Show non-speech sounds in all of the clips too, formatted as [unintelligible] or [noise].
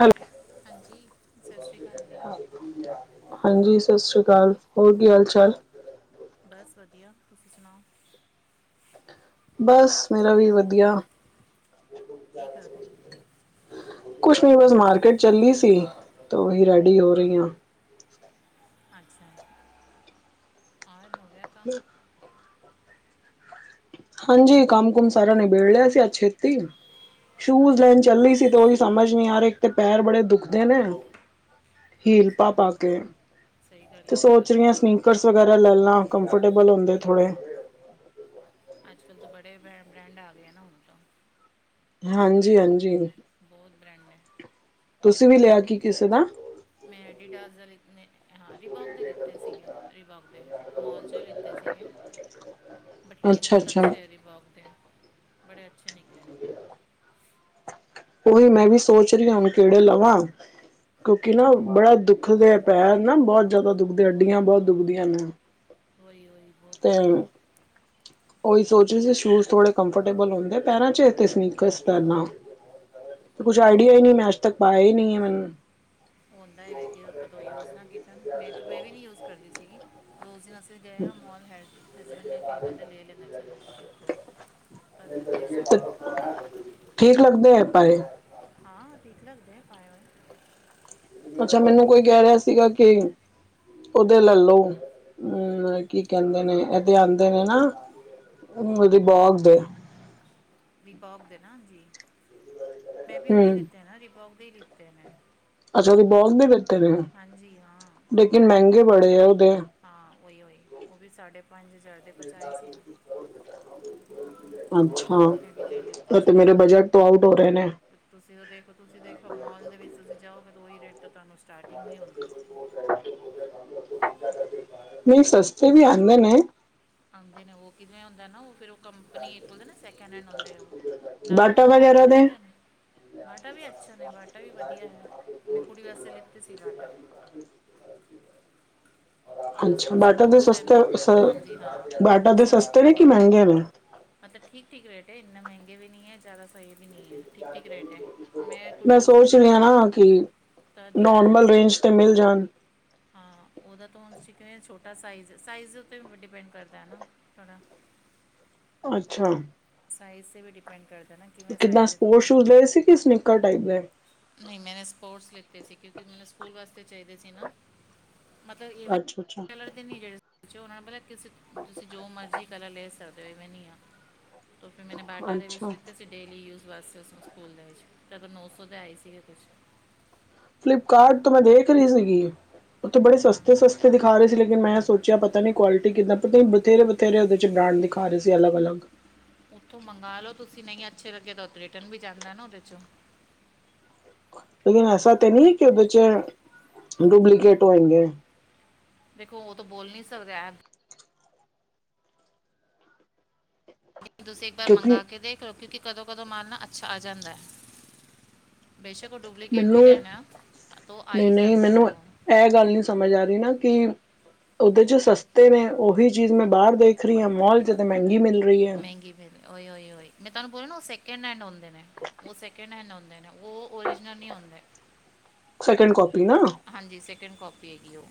Hello ਹਾਂਜੀ ਸਤਿ ਸ਼੍ਰੀ ਅਕਾਲ ਜੀ। ਹਾਂਜੀ ਸਤਿ ਸ੍ਰੀ ਅਕਾਲ ਹੋਰ ਕੀ ਹਾਲ ਚਾਲ। ਬਸ ਵਧੀਆ ਤੁਸੀਂ ਸੁਣਾਓ। ਬਸ ਮੇਰਾ ਕਿਵੇਂ ਵੀ ਹੋ ਵਧੀਆ। ਕੀ ਕਰਦੇ ਕੁਛ ਨਹੀਂ ਬਸ ਮਾਰਕੀਟ ਚੱਲੀ ਸੀ ਤਾਂ ਉਹੀ ਰੈਡੀ ਹੋ ਰਹੀ ਹਾਂ। ਅੱਛਾ ਔਰ ਹੋ ਗਿਆ ਕੰਮ। ਹਾਂਜੀ ਕੰਮ ਕੁਮ ਸਾਰਾ ਨਿਬੇੜ ਲਿਆ ਸੀ ਅੱਜ ਛੇਤੀ। ਸ਼ੂਜ ਲੈਣ ਚੱਲੀ ਸੀ ਤੇ ਉਹੀ ਸਮਝ ਨੀ ਆ ਰਈ ਇੱਕ ਤੇ ਪੈਰ ਬੜੇ ਦੁਖਦੇ ਨੇ। ਹੀਲ ਪਾ ਅੱਛਾ ਪਾ ਕੇ ਸਹੀ ਗੱਲ ਤੇ ਹੈ ਵਹੀ ਸੋਚ ਵਹੀ ਰਹੀ ਹਾਂ ਕੁੱਕਰਸ ਵਗੈਰਾ ਲੈਣਾ ਕੰਫਰਟੇਬਲ ਹੁੰਦੇ ਥੋੜੇ। ਅੱਜ ਕੱਲ੍ਹ ਤਾਂ ਬੜੇ ਬ੍ਰੈਂਡ ਆ ਗਏ ਆ ਨਾ ਹੁਣ ਤੋਂ। ਕੁਛ ਬ੍ਰੈਂਡ ਹਾਂਜੀ ਬਹੁਤ ਬ੍ਰੈਂਡ ਹੈ। ਤੁਸੀਂ ਵੀ ਲਿਆ ਕੀ ਕਿਸੇ ਦਾ। ਮੈਂ ਐਡੀਡਾਸ ਦਾ ਲ ਨੇ ਹਾਂ ਰਿਬੋਕ ਦੇ ਲਿੱਤੇ ਸੀਗੇ ਰਿਬੋਕ ਦੇ। ਮੋਲ 'ਚ ਲਿੱਤੇ ਸੀਗੇ ਬਟ ਲੇਕਿਨ ਅੱਛਾ ਬਹੁਤ ਅੱਛਾ ਅੱਛੇ ਰਿਬੋਕ 'ਤੇ। ਬੜੇ ਅੱਛੇ ਨਿਕਲੇ। ਉਹ। [inaudible] ਉਹੀ ਮੈਂ ਵੀ ਸੋਚ ਰਹੀ ਹਾਂ ਹੁਣ ਕਿਹੜੇ ਲਵਾਂ। ਕਿਉਂਕਿ ਨਾ ਬੜਾ ਦੁੱਖਦੇ ਪੈਰ ਨਾ ਬਹੁਤ ਜ਼ਿਆਦਾ ਦੁਖਦੇ ਅੱਡੀਆਂ ਬਹੁਤ ਹਾਂ ਦੁਖਦੀਆਂ ਨੇ। ਹੋਹੀ ਹੋਹੀ ਬਹੁਤ। ਤੇ ਉਹੀ ਸੋਚਦੇ ਸੀ ਸ਼ੂਜ ਥੋੜੇ ਕੰਫਰਟੇਬਲ ਹੁੰਦੇ ਪੈਰਾਂ ਚਚ ਤੇ ਸਨੀਕਰਸ ਪੈਣਾ। ਕੁੱਛ ਆਈਡਆ ਹੀ ਨਹੀਂ ਮੈਂ ਅੱਜ ਤੱਕ ਪਾਇਆ ਹੀ ਨਹੀਂ ਹੈ ਮੈਨੂੰ। ਉਹ ਹੁੰਦਾ ਹੈ ਵੈ ਕਿ ਕਦੋਂ ਯੂਜ਼ ਨਾ ਕੀਤਾ ਮੈਂ ਤਾਂ ਮੈਂ ਵੀ ਨਹੀਂ ਯੂਜ ਕਰਦੀ ਸੀਗੀ। ਰੋਜ਼ ਅਸੀਂ ਗਏ ਆਂ ਮੋਲ ਹੈ ਹੈਸਬੈਂਡ ਨੇ ਕਈ ਬੰਦੇ ਲੇ ਲੇਂਦੈ ਚਲੋ ਐਥੋਂ। ਤਦ ਲਿੱਤੇ। ਠੀਕ ਲੱਗਦੇ ਹੈ ਪਾਏ। ਹਾਂ ਠੀਕ ਲਗਦੇ ਨੇ ਪਾਏ ਹੋਏ। ਅੱਛਾ ਮੈਨੂੰ ਕੋਈ ਕਹਿ ਰਿਹਾ ਸੀਗਾ ਕੇ। ਉਹਦੇ ਲੈਲੋ ਹਮ ਕੀ ਕਹਿੰਦੇ ਨੇ ਇਹਦੇ ਆਂਦੇ ਨੇ ਨਾ ਉਹਦੇ ਬਾਗ ਦੇ। ਰਿਬੋਕ ਦੇ ਨਾ ਹਾਂਜੀ ਮੈਂ ਵੀ ਉਹੀ ਹਮ ਲਿੱਤੇ ਨਾ ਰਿਬੋਕ ਦੇ ਹੀ ਲਿੱਤੇ ਨੇੈਂ। ਅੱਛਾ ਰਿਬੋਕ ਵੀ ਦਿੱਤੇ ਨੇ ਹਾਂਜੀ ਹਾਂ ਲੇਕਿਨ ਰਿਬੋਕ ਦੇ ਮਹਿੰਗੇ ਲਿੱਤੇ ਨੇ ਬੜੇ ਆ ਉਹਦੇ। ਹਾਂ ਉਹੀ ਉਹੀ ਉਹ ਵੀ ਸਾਢੇ ਪੰਜ ਹਜ਼ਾਰ ਅੱਛਾ ਮੈਂ ਵੀ ਜੇ ਲਿੱਤੇ ੳ ਤੇ ਸੀਗੇ ਮੇਰੇ ਬਜਟ ਆਊਟ ਹੋ ਰਹੇ ਨੇ। ਤੁਸੀਂ ਤੇ ਦੇਖੋ, ਤੁਸੀਂ ਦੇਖੋ ਮੋਲ ਦੇ ਵਿੱਚ ਤੁਸੀਂ ਜਾਓਗੇ ਤੇ ਉਹੀ ਰੇਟ ਤੋਂ ਤੁਹਾਨੂੰ ਸਟਾਰਟਿੰਗ ਨਹੀ ਹੂੰਦੀ। ਨਹੀਂ ਸਸਤੇ ਵੀ ਆਣੇ ਨੇ। ਆਉਂਦੇ ਨੇ ਉਹ ਕਿਵੇਂ ਹੁੰਦਾ ਨਾ ਉਹ ਫੇਰ ਉਹ ਕੰਮ [unintelligible] ਸੈਕਿੰਡ ਹੈਂਡ ਹੁੰਦੇ ਉਹ ਨਾ ਬਾਟਾ ਉਹਦਾ ਰੱਖ ਵਗੈਰਾ [unintelligible] ਦੇ ਦਿੰਦੇ ਨੇ। ਬਾਟਾ ਵੀ ਅੱਛਾ ਨੇ ਬਾਟਾ ਵੀ ਵਧੀਆ ਹੈ ਮੈਂ ਕੁੜੀ ਵਾਸਤੇ ਲਿੱਤੇ ਸੀ ਬਾਟਾ। ਉਹ ਅੱਛਾ ਸਕੂਲ ਬਾਟਾ ਦੇ ਸਪੋਰਟਸ ਹੈ ਸਸਤੇ ਨਾ ਸ ਹਾਂਜੀ ਹਾਂ ਬਾਟਾ ਦੇ ਸਸਤੇ ਨੇ ਕਿ ਮਹਿੰਗੇ ਨੇ! ਮਤਬ ਠੀਕ ਠੀਕ ਰੇਟ ਹੈ ਇੰਨਾ ਮਹਿੰਗੇ ਵੀ ਨਹੀਂ ਹੈ ਜ਼ਿਆਦਾ ਸਹੀ ਵੀ ਨਹੀਂ ਹੈ। ਠੀਕ ਠੀਕ ਰੇਟ ਹੈ ਕੁੜੀ ਮੈਂ ਵਾਸਤੇ ਸੋਚ ਲਿੱਤਾ ਲਿਆ ਸੀਗਾ ਨਾ ਕਿ। ਤਦ ਨੋਰਮਲ ਉਹਦੇ ਰੇਂਜ 'ਤੇ ਮਿਲ ਜਾਣ ਹਾਂ ਉਹਦਾ ਤਾਂ ਹੁਣ ਤੁਸੀਂ ਕਿਵੇਂ ਛੋਟਾ ਸਾਈਜ਼ ਏ ਸਾਈਜ਼ ਦੇ ਉੱਤੇ ਵੀ ਡਿਪੈਂਡ ਕਰਦਾ ਏ ਨਾ, ਥੋੜ੍ਹਾ। ਅੱਛਾ। ਸਾਈਜ਼ ਤੇ ਵੀ ਡਿਫ ਸੈਂਡ ਕਰਦੇ ਨੇ। [inaudible] ਕਿੱਦਾਂ ਸਪੋਰਟ ਸ਼ੂਜ਼ ਲਏ ਸੀ ਕਿ ਸਨਿੱਕਰ ਟਾਈਪ ਦੇ। ਨਹੀਂ, ਮੈਂ ਨ ਸਪੋਰਟਸ ਲਿੱਤੇ ਸੀ ਕਿਉਂਕਿ ਮੈਨੂੰ ਸਕੂਲ ਵਾਸਤੇ ਚਾਹੀਦੇ ਸੀ ਨਾ। ਮਤਲਬ ਇਵੇਂ ਅੱਛਾ ਅੱਛਾ ਕਲਰ ਦੇ ਨੀ ਜਿਹੜੇ ਉਹਨਾਂ ਨੂੰ [inaudible] ਤੁਸੀਂ ਜੋ ਮਰਜ਼ੀ। [inaudible] ਗਲਾ ਲੈ ਸਕਦੇ ਹੋ ਮੈਂ ਨ ਆ ਤੋਂ ਫਿਰ ਮੈਨੇ ਬਾਟਾ ਦੇ ਵਿੱਚ ਅੱਛਾ ਲਿਤੇ ਸੀ ਡੇਲੀ ਯੂਜ਼ ਵਾਸਤੇ ਉਸੂ ਨੂੰ ਸਕੂਲ ਦੇ ਵਿੱਚ ਤਦੋਂ ਨੌ ਸੌ ਦੇ ਆਏ ਸੀਗੇ ਕੁਛ ਫਲਿਪਕਾਰਟ ਤੋਂ ਮੈਂ ਦੇਖ ਰਹੀ ਸੀਗੀ। ਉੱਥੇ ਬੜੇ ਹਾਂ ਸਸਤੇ, ਸਸਤੇ ਦਿਖਾ ਰਹੇ ਸੀ ਲੇਕਿਨ ਮੈਂ ਸੌਚਿਆ ਪਤਾ ਨੀ ਕੁਆਲਟੀ ਕ੍ਹਿੰਦਾ ਪਤਾ ਹੀ ਨਹੀਂ ਤੇਰੇ ਬਥੇਰੇ ਉਹਦੇ ਚ ਬ੍ਰਾਂਡ ਦਿਖਾ ਰਹੇ ਸੀ ਅੱਲਗ ਅਲੱਗ। ਉੱਥੋਂ ਮੰਗਵਾ ਲਓ ਤੁਸੀਂ ਨਹੀਂ ਅੱਛੇ ਲੱਗੇ ਤਾਂ ਉਥੇ ਰਿਟਰਨ ਵੀ ਜਾਂਦਾ ਨਾ ਉਹਦੇ ਚੋਂ। ਲੇਕਨ ਐਸਾ ਤੇ ਨਹੀਂ ਕਿ ਉਹਦੇ ਚ ਡੁਪਲੀਕੇਟ ਹੋਣਗੇ। ਦੇਖੋ, ਉਹ ਤਾਂ ਬੋਲ ਨਹੀਂ ਸਕਦੇ। ਤੁਸੀਂ ਇੱਕ ਵਾਰ ਕਿਉਂਕਿ ਮੰਗਾ ਕੇ ਦੇਖ ਲਓ ਕਿਉਂਕਿ ਕਦੋਂ, ਕਦੋਂ ਮਾਲ ਨਾ ਅੱਛਾ ਆ ਜਾਂਦਾ। ਬੇਸ਼ੱਕ ਉਹ ਡੁਪਲਕੇਟ ਵੀ ਮੈਨੂੰ ਰਹਿਣ ਤੋ ਆ ਨਹੀਂ ਹੀ ਨਹੀਂ ਜਾਂਦਾ ਮੈਨੂੰ ਉਹ। ਇਹ ਗੱਲ ਨੀ ਸਮਝ ਆ ਰਹੀ ਨਾ ਕਿ ਉਹਦੇ ਚ ਸਸਤੇ ਨੇ ਉਹੀ ਚੀਜ਼ ਮੈਂ ਬਾਹਰ ਦੇਖ ਰਹੀ ਹਾਂ ਮੋਲ ਚ ਤੇ ਮਹਿੰਗੀ ਮਿਲ ਰਹੀ ਏ। ਮਹਿੰਗੀ ਉ ਉਹੀ ਮੈਂ ਤੁਹਾਨੂੰ ਬੋਲਾ ਨਾ ਉਹ ਸੈਕਿੰਡ ਹੈਂਡ ਹੁੰਦਾ ਨੇ। [unintelligible] ਉਹ ਸੈਕਿੰਡ ਹੈਂਡ ਹੁੰਦੇ ਨੇ ਉਹ ਓਰੀਜਨਲ ਨਹੀਂ ਹੁੰਦੇ। ਸੇਕਿੰਡ ਕਪ ਹਾਂਜੀ, ਸੈਕਿੰਡ ਕਾਪੀ ਹੈਗੀ ਉਹ।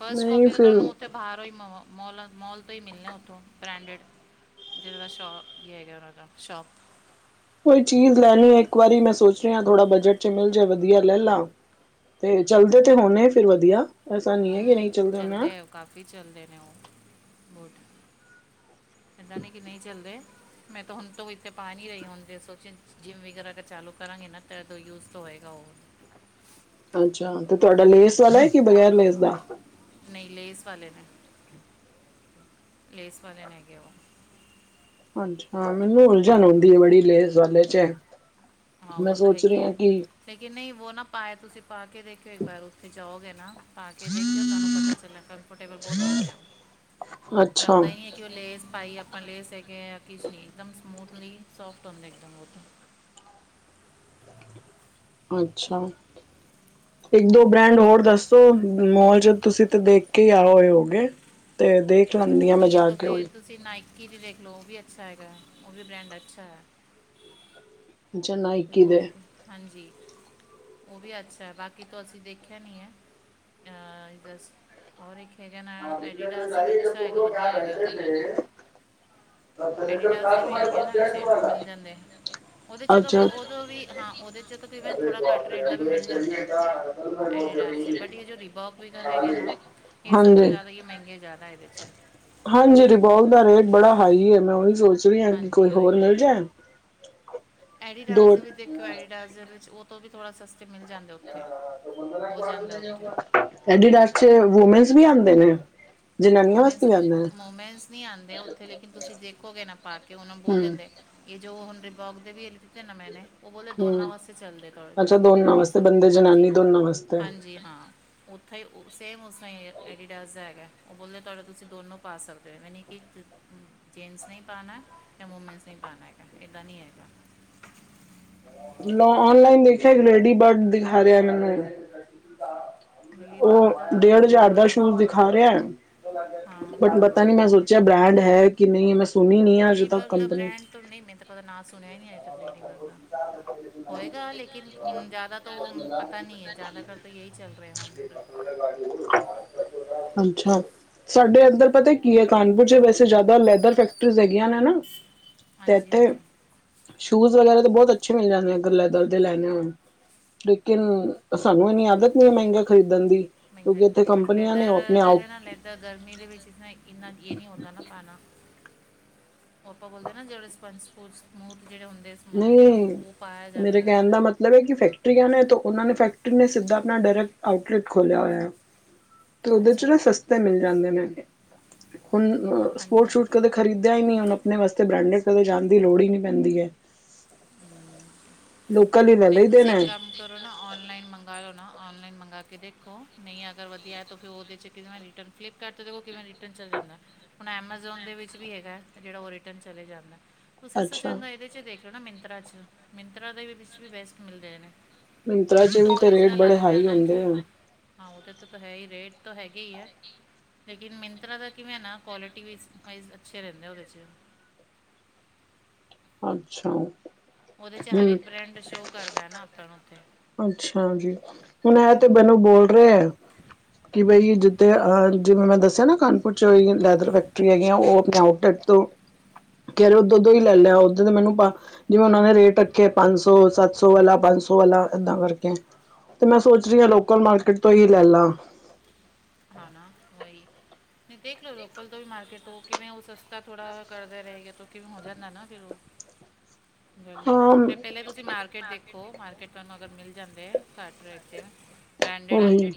ਫਸਟ ਨਹੀਂ ਕਾਪੀ ਤੇ ਫਿਰ ਤੁਹਾਨੂੰ ਉੱਥੇ ਬਾਹਰ ਈ ਮਵਾਂ ਮੌੋਲਾਂ ਮੋਲ ਤੋਂ ਹੀ ਮਿਲਦੇ ਉੱਥੋਂ, ਬ੍ਰੈਂਡਡ ਜਿਹਨਾਂ ਦਾ ਸ਼ੋ ਹੀ ਹੈਗਾ ਉਹਨਾਂ ਦਾ ਸ਼ੋਪ ਕੋਈ ਚੀਜ਼ ਲੈਣੀ ਹੈ ਇੱਕ ਵਾਰੀ ਮੈਂ ਸੋਚ ਰਿਹਾ ਥੋੜਾ ਬਜਟ ਚ ਮਿਲ ਜਾਏ ਵਧੀਆ ਲੈ ਲਾ। ਤੇ ਚਲਦੇ ਤੇ ਹੁਣੇ ਫਿਰ ਵਧੀਆ ਐਸਾ ਨਹੀਂ ਹੈ ਕਿ ਨਹੀਂ ਹੂੰ ਚੱਲਦੇ ਨਾ। ਆ ਕਾਫੀ ਚੱਲਦੇ ਨੇ ਉਹ, ਬੁਟ। ਏਦਾਂ ਨੀ ਕਿ ਨਹੀਂ ਚੱਲਦੇ ਮੈਂ ਤਾਂ ਹੁਣ ਤ [inaudible] ਇੱਥੇ ਪਾ ਨਹੀਂ ਰਹੀ ਹੁਣ ਜੇ ਸੋਚਿਆ ਜਿੰਮ ਵਗੈਰਾ ਤੇ ਚਾਲੂ ਕਰਾਂਗੀ ਨਾ ਤਦੋਂ ਯੂਜ ਤੋਂ ਹੋਏਗਾ ਉਹ। ਅੱਛਾ ਤੇ ਤੁਹਾਡਾ ਲੇਸ ਵਾਲਾ ਹੈ ਕਿ ਬਗੈਰ ਲੇਸ ਦਾ? ਨਹੀਂ ਲੇਸ ਵਾਲੇ ਨੇ। ਲੇਸ ਵਾਲੇ ਨੇ ਹੈਗੇ ਉਹ। ਅੱਛਾ, ਮੈਨੂੰ ਉਲਝਣ ਹੁੰਦੀ ਹੈ ਬੜੀ ਲੇਸ ਵਾਲੇ ਚ। ਮੈਂ ਸੋਚ ਰਹੀ ਹਾਂ ਕਿ ਲੇਕਿਨ ਨਹੀਂ ਵੋ ਨਾ ਪਾਾਇਆ ਤੁਸੀਂ ਪਾ ਕੇ ਦੇਖਿਓ ਇੱਕ ਵਾਰ ਉੱਥੇ ਜਾਓਗੇ ਨਾ। ਪਾ ਕੇ ਦੇਖਿਓ ਤੁਹਾਨੂੰ ਪਤਾ ਚੱਲਿਆ ਕੰਫਰਟੇਬਲ ਬਹੁਤ ਹੁੰਦੇ ਉਹ। ਅੱਛਾ ਲਗਦਾ ਹੀ ਹੈ ਕਿ ਉਹ ਲੇਸ ਪਾਈ ਆਪ। ਫ ਲੈਸ ਹੈਗੇ ਆ ਕਿਸ਼ ਨੀ ਇੱਕਦਮ ਸਮੂਥਲੀ ਸੋਫਟ ਹੁੰਦੇ ਇੱਕਦਮ ਓਹ। ਅੱਛਾ ਇੱਕ ਦੋ ਬ੍ਰਾਂਡ ਹੋਰ ਦੱਸ। ਮੋਲ ਜਦ ਤੁਸੀਂ ਤੇ ਦੇਖ ਕੇ ਹੀ ਆਓ ਹੋਏ ਹੋਗੇ ਤੇ ਦੇਖ ਜਾਦੀ ਉਹ ਹਾਂ ਮੈਂ ਨਹੀਂ ਹੈ ਜਾ ਤਾਂ ਕੇ ਫਿਰ ਉਈ। ਤੁਸੀਂ ਨਾਈਕੀ ਦੀ ਦੇਖ ਲਓ ਉਹ ਵੀ ਅੱਛਾ ਹੈਗਾ ਉਹ ਵੀ ਬ੍ਰੈਂਡ ਅੱਛਾ ਹੈ। ਅੱਛਾ ਨਾਇਕੀ ਉਹ ਦੇ ਹੈ ਹਾਂਜੀ। ਉਹ ਵੀ ਅੱਛਾ ਹੈ ਬਾਕੀ ਤੋਂ ਅਸੀਂ ਦੇਖਿਆ ਨਹੀਂ ਹੈ ਇਧ ਔਰ ਇੱਕ ਹੈਗਾ ਨ ਐਡੀਡਾਜ਼ ਦਾ ਵੀ ਅੱਛਾ ਹੈਗਾ ਵਧੀਆ ਹੈਗਾ ਉਹ ਵੀ। ਐਡੀਡਾਸ ਦੇ ਵੀ ਹੈਗੇ ਨਾ ਅੱਛੇ ਮਿਲ ਜਾਂਦੇ ਉਹਦੇ ਚਲੋ ਵੀ। ਅੱਛਾ ਉਦੋਂ ਵੀ ਹਾਂ ਉਹਦੇ 'ਚ ਤ ਤਕਰੀਬਨ ਥੋੜ੍ਹਾ ਘੱਟ ਰੇਟ ਦਾ ਵੀ ਮਿਲ ਜਾਂਦਾ ਉੱਥੇ ਏਡੀ ਡਾਸ 'ਤੇ ਬਟ ਇਹ ਜੋ ਰਿਬੋਕ। ਕੁਇਗਰ ਹੈਗੇ ਨਾ ਇਹ ਸਭ ਤੋਂ ਹਾਂਜੀ। ਜ਼ਿਆਦਾ ਹੀ ਮਹਿੰਗੇ ਜ਼ਿਆਦਾ ਇਹਦੇ 'ਚ। ਹਾਂਜੀ ਰਿਬੋਕ ਦਾ ਰੇਟ ਬੜਾ ਹਾਈ ਮੈਂ ਉਹੀ ਸੋਚ ਰਹੀ ਹਾਂ ਕਿ ਕੋਈ ਹਾਂਜੀ ਹੋਰ ਮਿਲ ਜਾਏ। [unintelligible] ਦੋ ਐਡੀਡਾਜ਼ ਦੇ ਵਿੱਚ ਦੇਖਿਓ ਐਡੀਡਾਜ਼ ਵਿੱਚ ਉਹ ਤੋਂ ਵੀ ਥੋੜ੍ਹਾ ਸਸਤੇ ਮਿਲ ਜਾਂਦਾ। ਉੱਥੇ ਹੋ ਉੱਥੇ ਰੇਂਜ ਐਡੀਡਾਸ ਚ ਦਾ ਵੂਮੈਨਸ ਵੀ ਆਉਂਦੇ ਨੇ? ਜਨਾਨੀਆਂ ਵਾਸਤੇ ਵੂਮੇਸ ਵੀ ਆਉਂਦੇ ਨੇ ਮੋਮਸ ਨਹੀਂ ਆਉਂਦੇ ਉੱਥੇ ਲੇਕਿਨ ਤੁਸੀਂ ਦੇਖੋਗੇ ਨਾ ਪਾ ਕੇ ਉਹ ਨੂੰ ਬੋਲ ਹੂੰ ਦਿੰਦੇ। ਇਹ ਜੋ ਹੁਨ ਰੀਬੋਗ ਦੇ ਵੀ ਇਹ ਲੀਤੇ ਨਾ ਮੈਂਨੇ। ਉਹ ਬੋਲੇ ਦੋਨਾਂ ਹੂੰ। ਵਾਸਤੇ ਚੱਲਦੇ ਥੋੜੇ ਅੱਛਾ ਦੋਨਾਂ ਇਸ ਵਾਸਤੇ ਬੰਦੇ ਜਨਾਨੀ ਹਾਂਜੀ ਦੋਨਾਂ ਵਾਸਤੇ। ਹਾਂਜੀ ਹਾਂ। ਉੱਥੇ ਹੀ ਸੇਮ ਉਸ ਤਰ੍ਹਾਂ ਹੀ ਐਡੀਡਾਸ ਦਾ ਹੈਗਾ। ਉਹ ਬੋਲਦੇ ਤੁਹਾਡਾ ਤੁਸੀਂ ਦੋਨੋਂ ਪਾ ਸਕਦੇ ਹੋ ਮੈ ਨਹੀਂ ਕਿ ਜੈਨਸ ਨਹੀਂ ਪਾਉਣਾ। ਜਾਂ ਮੂਵਮੈਂਸ ਨਹੀਂ ਪਾਉਣਾ ਹੈਗਾ ਇੱਦਾਂ ਨਹੀਂ ਹੈਗਾ। ਲੋ ਔਨਲਾਈਨ ਦੇਖਿਆ ਇੱਕ ਰੇਡੀ ਬਰਡ ਦਿਖਾ ਰਿਹਾ ਮੈਨੂੰ ਲੇਡੀ ਬਗ ਦਾ ਉਹ ਡੇਢ ਹਜ਼ਾਰ ਦਾ ਦੇਖੋ ਸ਼ੂਜ ਖਾ ਰਿਹਾ ਹਾਂ ਬਟ ਪਤਾ ਨੀ ਮੈਂ ਸੋਚਿਆ ਬ੍ਰਾਂਡ ਹੈ ਕਿ ਨਹੀਂ ਇਹ ਮੈਂ ਸੁਣੀ ਨੀ ਆ ਅੱਜ ਤੱਕ ਕੰਪਨੀ। ਤੂੰ ਨਹੀਂ ਮੈਂ ਤਾਂ ਕਦੇ ਨਾਂ ਸੁਣਿਆ ਹੀ ਨਹੀਂ ਅੱਜ ਤੱਕ ਲੇਡੀ ਵੱਲ ਦਾ। ਹੋਏਗਾ ਲੇਕਿਨ ਹੁਣ ਜ਼ਿਆਦਾ ਤਾਂ ਉਹ ਪਤਾ ਨਹੀਂ ਹੈ। ਜ਼ਿਆਦਾਤਰ ਤਾਂ ਇਹੀ ਚੱਲ ਰਿਹਾ ਹੁਣ। ਅੱਛਾ ਸਾਡੇ ਏਧਰ ਪਤਾ ਕੀ ਹੈ ਕਾਨਪੁਰ 'ਚ ਵੈਸੇ। ਉੱਧਰ ਜ਼ਿਆਦਾ ਲੈਦਰ ਫੈਕਟਰੀਜ਼ ਹੈਗੀਆਂ ਨੇ ਨਾ ਤੇ ਇੱਥੇ ਸ਼ੂਜ਼ ਵਗੈਰਾ। ਬਹੁਤ ਅੱਛੀਆਂ ਮਿਲ ਜਾਂਦੇਆਂ ਗੱਲੈਦਰ ਦੇ ਲੈਣੇ ਹੋਣ। ਲੇਕਿਨ ਸਾਨੂੰ ਇੰਨੀ ਆਦਤ ਨਹੀਂ ਹੈ ਮਹਿੰਗਾ ਖਰੀਦਣ ਦੀ ਕਿਉਂਕਿ ਇੱਥੇ ਕੰਪਨੀਆਂ ਨੇ ਉਹ ਵੀ। ਤਾਂ ਗਰਮੀ ਦੇ ਵਿੱਚ ਇੰਨਾ ਇਹ ਨਹੀਂ ਹੁੰਦਾ ਨਾ ਖਾਣਾ ਉਹ ਆਪਾਂ ਬੋਲਦੇ ਨਾ ਜਿਹੜੇ ਸਪੰਸ ਸਪੁੰਸ ਜਿਹੜੇ ਹੁੰਦੇ ਸਮ- ਇੱਕਦਮ ਨਹੀਂ ਉਹ ਪਾਇਆ ਮੇਰੇ ਜਾਂਦਾ ਹੈ। ਕਹਿਣ ਦਾ ਮਤਲਬ। ਮਤਲਬ ਇਹ ਕਿ ਫੈਕਟਰੀਆਂ ਨੇ ਤਾਂ ਉਹਨਾਂ ਨੇ ਫੈਕਟਰੀ ਨੇ ਸਿੱਧਾ ਆਪਣਾ ਡਾਇੈਕਟ ਆਊਟਲੈਟ ਖੋਲਿਆ ਹੋਇਆ। ਤੇ ਉਹਦੇ ਚ ਅੱਛਾ ਨਾ ਸਸਤੇ ਮਿਲ ਜਾਂਦੇ ਨੇਗੇ ਹੁਣ ਅ ਸਪੋਰਟ ਹਾਂਜੀ ਸ਼ੂਟ ਕਦੇ। ਖ਼ਰੀਦਿਆ ਹੀ ਨਹੀਂ ਹੁਣ ਆਪਣੇ ਵਾਸਤੇ ਬ੍ਰਾਂਡਡ ਕਦੇ ਜਾਣ ਦੀ ਲੋੜ ਹੀ ਨਹੀਂ ਪੈਂਦੀ ਹੈ ਲੋਕ ਫੇਰ ਤੁਸੀਂ ਕੰਮ। ਕਰੋ ਨਾ ਔਨਲਾਈਨ ਮੰਗਾਵਾ ਲਉ ਨਾ ਔਨਲਾਈਨ ਮੰਗਾਵਾ ਕੇ ਦੇਖੋ ਨਹੀਂ ਅਗਰ ਵਧੀਆ ਤਾਂ ਫਿਰ ਉਹਦੇ 'ਚ ਕਿਸਤੇ ਨਾ ਰਿਟਰਨ ਫਲਿੱਪਕਾਰਟ ਤੋਂ ਉਹ ਕਿਵੇਂ ਰਿਟਰਨ ਚੱਲ ਜਾਂਦਾ ਹੈ। ਹੁਣ ਐਮਾਜ਼ੋਨ ਦੇ ਵਿੱਚ ਵੀ ਹੈਗਾ ਜਿਹੜਾ ਉਹ ਰਿਟਰਨ ਚਲੇ ਜਾਂਦਾ ਤੁਸੀਂ ਸੋ ਅੱਛਾ। ਚੰਗਾ ਇਹਦੇ ' ਦੇਖ ਲਿਓ ਨਾ ਮਿੰਤਰਾ 'ਚ ਮਿੰਤਰਾ ਦੇ ਵਿੱਚ ਵੀ ਬੈਸਟ ਮਿਲਦੇ ਨੇ। ਮਿੰਤਰਾ ਉਹਦੇ ਚ ਤਾਂ ਵੀ ਤੇ ਰੇਟ ਓਰੀਜਨਲ ਬੜੇ ਆਂਦਾ ਹਾਈ ਹਾਂਜੀ ਹੁੰਦੇ ਆ ਹਾਂ ਉਦੇ ਤੋਂ ਤਾਂ ਹੈ ਹੀ ਰੇਟ ਤਾਂ ਹੈਗੇ ਹੀ ਹੈ ਲੇਕਿਨ ਮਿੰਤਰਾ ਦਾ ਕਿਵੇਂ ਨਾ ਕੁਆਲਿਟੀ ਵੀ ਅੱਛੇ ਰਹਿੰਦੇ ਆ ਉਹਦੇ ' ਅੱਛਾ ਉਹਦੇ ਚ ਹਰ ਹੂੰ। ਇੱਕ ਬ੍ਰੈਂਡ ਸ਼ੋਅ ਕਰਦਾ ਨਾ ਆਪਾਂ ਨੂੰ ਉੱਥੇ ਅੱਛਾ ਜੀ ਹੁਣ ਇਹ ਤੇ ਹਾਂਜੀ ਮੈਨੂੰ ਬੋਲ ਰਹੇ ਹੈ। ਕਿ ਬਈ ਜਿੱਥੇ ਜਿਵੇਂ ਮੈਂ ਦੱਸਿਆ ਨਾ ਕਾਨਪੁਰ 'ਚ ਲੈਦਰ ਫੈਕਟਰੀ ਹੈਗੀ ਆ ਉਹ ਆਪਣੇ ਆਊਟਲੈਟ। ਫੇਰ ਉਹ ਦੁੱਧ ਵੀ ਲੈ ਲਿਆ ਮੈਨੂੰ ਜਿਵੇਂ ਉਹ ਨੇ ਰੇਟ ਰੱਖੇ ਪੰਜ ਸੌ ਸੱਤ ਸੋ ਵਾਲਾ ਪੰਜ ਸੌ ਵਾਲਾ ਏਦਾਂ ਕਰਕੇ ਤੇ ਮੈਂ ਸੋਚ ਰਹੀ ਹਾਂ ਲੋਕਲ ਮਾਰਕੀਟ ਤੋਂ ਹੀ ਲੈ ਲਾਂ। ਹਾਂ ਨਾ ਵਹੀ ਨਹੀਂ ਦੇਖਲੋ ਲੋਕਲ ਤੋਂ ਵੀ ਮਾਰਕਟ ਤੋਂ। ਕਿਵੇਂ ਉਹ ਸਸਤਾ ਥੋੜਾ ਕਰਦੇ ਰਹੇ ਕਿਵੇਂ ਹੋ ਜਾਂਦਾ ਨਾ ਫਿਰ ਉਹ ਗੱਲ। ਹਾਂ ਤੇ ਪਹਿਲੇ ਤੁਸੀਂ ਮਾਰਕੀਟ ਦੇਖੋ ਮਾਰਕੀਟ ਤੁਹਾਨੂੰ ਅਗਰ ਮਿਲ ਜਾਂਦੇ ਘੱਟ ਰੇਟ ਤੇ [unintelligible] ਉਹੀ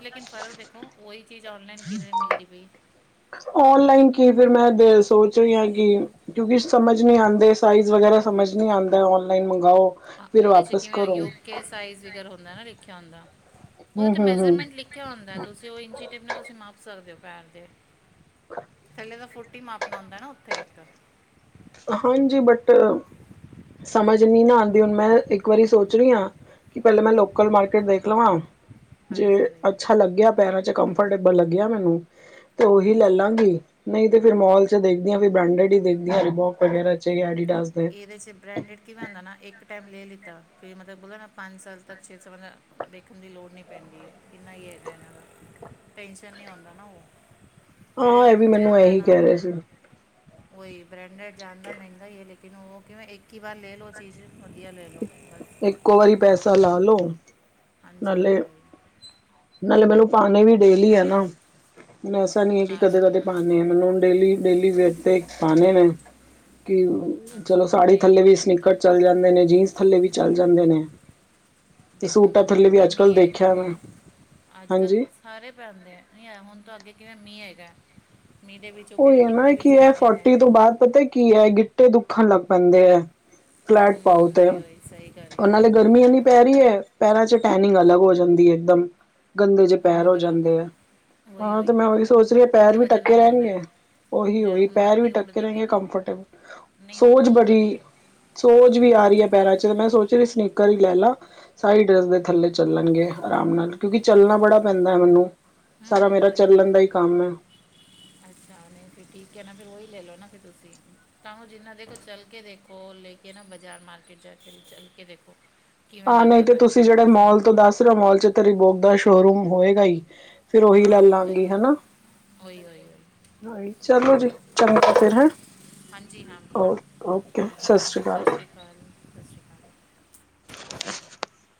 ਲੇਕਨ ਫਰਕ ਦੇਖੋ ਉਹੀ ਚੀਜ਼ ਔਨਲਾਈਨ ਕਿਨੇ ਦੀ ਮਿਲਦੀ ਪਈ ਔਨਲਾਈਨ ਕੀ ਫਿਰ ਮੈਂ ਸੋਚ ਰਹੀ ਹਾਂ ਕਿ ਕਿਉਂਕਿ ਸਮਝ ਨਹੀਂ ਆਉਂਦੇ ਸਾਈਜ਼ ਵਗੈਰਾ ਸਮਝ ਨਹੀਂ ਆਉਂਦਾ ਔਨਲਾਈਨ ਮੰਗਵਾਓ ਆ ਫਿਰ ਉਹਦੇ 'ਚ ਵਾਪਿਸ ਕਿਵੇਂ ਕਰੋ ਹਮ ਯੂਕੇ ਸਾਈਜ਼ ਵਗੈਰਾ ਹੁੰਦਾ ਨਾ ਲਿਖਿਆ ਹੁੰਦਾ ਉਹਦੇ ਤੇ ਹਮ ਹਮ ਮੈਜਰਮੈਂਟ ਲਿਖ ਕਿਆ ਹੁੰਦਾ ਤੁਸੀਂ ਉਹ ਇੰਚੀ ਟਿਪ ਨਾਲ ਤੁਸੀਂ ਮਾਪ ਸਕਦੇ ਹੋ ਪੈਰ ਦੇ। [inaudible] ਪਹਿਲੇ ਦਾ ਫੋਟੀ ਮਾਪਣਾ ਹੁੰਦਾ ਨਾ ਉੱਥੇ ਇੱਕ। ਹਾਂਜੀ ਬਟ ਸਮਝ ਨੀ ਨਾ ਆਉਂਦੀ ਹੁਣ ਮੈਂ ਇੱਕ ਵਾਰੀ ਸੋਚ ਰਹੀ ਹਾਂ ਕਿ ਪਹਿਲੇ ਮੈਂ ਲੋਕਲ ਮਾਰਕੀਟ ਦੇਖ ਲਵਾਂ ਜੇ ਹਾਂਜੀ ਵਹੀ ਅੱਛਾ ਲੱਗਿਆ ਪੈਰਾਂ 'ਚ ਕੰਫਰਟੇਬਲ ਲੱਗਿਆ ਮੈਨੂੰ ਤੇ ਉਹੀ ਲੈ ਹਾਂਜੀ ਲਾਂਗੀ। ਨਹੀਂ ਤੇ ਫਿਰ ਮੋਲ 'ਚ ਦੇਖਦੀ ਫਿਰ ਬ੍ਰਾਂਡਡ ਹੀ ਦੇਖਦੀ ਰਿਬੋਕ ਐਡੀਡਾਸ ਵਗੈਰਾ 'ਚ। ਦੇ ਇਹਦੇ ਬ੍ਰੈਡਡ ਇਕ ਬਾਂਦਾ ਨਾ ਇੱਕ ਟਾਈਮ ਲੈ ਦਿੱਤਾ ਫੇਰ ਮਤਲਬ ਬੋਲੋ ਨਾ ਪੰਜ ਸਾਲ ਤੱਕ ਛੇ ਸਾਲ। ਦੇਖਣ ਦੀ ਲੋੜ ਨਹੀਂ ਪੈਂਦੀ ਹੈ। ਕਿੰਨਾ ਹੀ ਹੈਗਾ ਇਹਨਾਂ ਦਾ। ਟੈਂਸ਼ਨ ਨਹੀਂ ਆਉਂਦਾ ਨਾ ਉਹ ਜਿਹੜੇ ਹਾਂ ਉਹ ਇਹ ਵੀ ਦੂਜੇ ਮੈਨੂੰ ਹੁੰਦੇ ਇਹੀ ਨਾ। ਕਹਿ ਰਹੇ ਸੀ ਉਹੀ ਬ੍ਰੈਂਡਡ ਜ਼ਿਆਦਾ ਮਹਿੰਗਾ ਹੀ ਹੈ ਲੇਕਿਨ ਉਹ ਕਿਉਂ ਇੱਕੀ ਵਾਰ ਲੈ ਲਓ ਚੀਜ਼। ਵਧੀਆ ਲੈ ਲਓ ਬਸ। ਕੋ ਵਾਰੀ ਪੈਸਾ ਲਾ ਲਓ ਨਾ ਹਾਂਜੀ ਉਹੀ ਲੇ। ਉਹੀ ਨਾਲੇ ਮੈਨੂੰ ਪਾਉਣੇ ਵੀ ਡੇਲੀ ਹੈ ਨਾ ਮੈਨੂੰ ਐਸਾ ਨੀ ਹੈ ਕਿ ਕਦੇ ਹਾਂਜੀ ਕਦੇ। ਪਾਉਣੇ ਆ ਮੈਨੂੰ ਉਹ ਡੇਲੀ- ਡੇਲੀ ਵੇਸ ਤੇ ਪਾਉਣੇ ਨੇ ਕਿ। ਚਲੋ ਅੱਛਾ ਸਾੜੀ ਨਹੀਂ ਥੱਲੇ ਨਹੀਂ ਵੀ ਫਿਰ ਤੋਂ ਸਨੀਕਟ ਚੱਲ ਜਾਂਦੇ ਨੇ ਜੀਨਸ ਥੱਲੇ ਵੀ ਚੱਲ ਜਾਂਦੇ ਨੇ। ਤੇ ਦੇਖੋ ਸੂਟਾਂ ਤੋਂ ਹੁਣ ਥੱਲੇ ਵੀ ਅੱਗੇ ਅੱਜ ਕੱਲ੍ਹ ਮੀਂਹ ਹੈਗਾ ਦੇਖਿਆ ਹੁਣ ਮੈਂ ਅੱਜ ਕੱਲ੍ਹ ਹਾਂਜੀ। ਬਰਸਾਤ। ਸਾਰੇ ਪੈਂਦੇ ਹੈ ਹੁਣ ਤਾਂ ਅੱਗੇ ਕਿਵੇਂ ਮੀਂਹ ਹੈਗਾ ਮੀਂਹ ਦੇ ਵਿੱਚ ਉਹੀ ਹੈ ਨਾ ਕੀ ਇਹ ਫੋਟੀ ਤੋਂ ਬਾਅਦ ਪਤਾ ਕੀ ਹੈ ਗਿੱਟੇ ਦੁੱਖਣ ਲੱਗ ਪੈਂਦੇ ਹੈ। ਫਲੈਟ ਹੂੰ ਪਾਓ ਹੂੰ ਤੇ ਓਏ ਓਏ ਸਹੀ ਗੱਲ ਉਹ ਹੈ ਨਾਲੇ ਗਰਮੀ ਹੁੰਦਾ ਇੰਨੀ ਨਾ ਪੈ ਰਹੀ ਹੈ। ਪੈਰਾਂ 'ਚ ਟੈਨਿੰਗ ਅਲੱਗ ਹੋ ਜਾਂਦੀ ਹੈ ਇੱਕਦਮ। ਗੰਦੇ ਜਿਹੇ ਪੈਰ ਹੂੰ ਹੋ ਜਾਂਦੇ ਬਰਾਬਰ ਆ ਓਏ ਹਾਂ ਤੇ ਓਏ ਮੈਂ ਉਹ ਉਹੀ ਸੋਚ ਰਹੀ ਹ ਮਿੱਟੀ ਪੈਰ ਦੇ ਵੀ ਵਜਨ ਟੱਕੇ ਨਾਲ ਹੁੰਦੇ ਰਹਿਣਗੇ। ਨੇ ਉਹੀ ਜੇ ਉਹੀ ਹੁਣ ਪੈਰ ਵੀ ਮਿੱਟੀ ਟਢੱਕ ਕੇ ਉੜਦੀ ਵੀ ਰਹਿੰਗੇ ਨਾ ਕੰਫਰਟੇਬਲ ਨਹੀਂ ਉਹ ਤਾਂ ਸੋਚ ਬਹੁਤ ਬੜੀ ਵਧੀਆ ਸੋਜ ਵੀ ਆ ਰਹੀ ਹੈ ਪੈਰਾਂ ਚ ਤੇ ਮੈਂ ਸੋਚਿਆ ਸਨੀਕਰ ਹੀ ਲੈ ਲਾ। ਸਾਈਡ ਰਸਦੇ ਥੱਲੇ ਚੱਲਣਗੇ ਆਰਾਮ ਨਾਲ ਕਿਉਂਕਿ ਚੱਲਣਾ ਬੜਾ ਪੈਂਦਾ ਹੈ ਮੈਨੂੰ ਸਾਰਾ ਹੂੰ ਮੇਰਾ ਓਏ ਓਏ ਚੱਲਣ ਦਾ ਹੀ ਕੰਮ ਹੈ। ਅੱਛਾ ਨਹੀਂ ਠੀਕ ਹੈ ਨਾ ਫੇਰ ਉਹੀ ਲੈ ਲਓ ਨਾ ਫ਼ਿਰ ਤੁਸੀਂ। ਤਾਂ ਜਿੰਨਾ ਦੇਖੋ ਚੱਲ ਕੇ ਦੇਖੋ ਲੈ ਕੇ ਨਾ ਬਾਜ਼ਾਰ ਮਾਰਕੀਟ ਜਾ ਕੇ ਚਲ ਕੇ ਦੇਖੋ। ਕਿਵੇਂ ਹਾਂ ਨਹੀਂ ਲੱਗਦਾ ਤੇ ਪਿਆ ਤੁਸੀਂ ਜਿਹੜੇ ਸਿਮ ਮੋਲ ਤੋਂ ਦੱਸ ਰਹੇ ਹੋ ਮੋਲ ਚ ਤੇ ਰਿਬੋਕ ਦਾ ਸ਼ੋਰੂਮ ਹੋਏਗਾ ਹੀ। ਫੇਰ ਉਹੀ ਲੈ ਹਾਂ ਹੁੰਦਾ ਲਾਂਗੀ ਹੀ ਹੈ ਹਨਾ। ਓਏ ਓਏ ਓਏ ਹਾਂਜੀ ਚਲੋ ਜੀ ਚੰਗਾ ਫਿਰ ਹੈਂ। ਹਾਂਜੀ ਹਾਂ ਓਕੇ- ਓਕੇ ਸਤਿ ਸ਼੍ਰੀ ਅਕਾਲ। [unintelligible] [unintelligible]